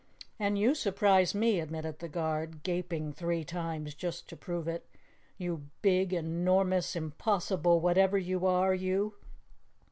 "And you surprise me," admitted the guard, gaping three times just to prove it, "you big, enormous, impossible whatever you are you!